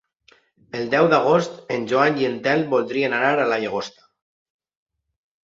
El deu d'agost en Joan i en Telm voldrien anar a la Llagosta.